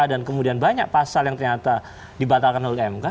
kemudian banyak pasal yang ternyata dibatalkan oleh mk